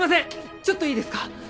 ちょっといいですか？